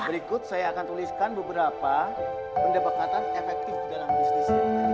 berikut saya akan tuliskan beberapa pendebakan efektif dalam etika bisnis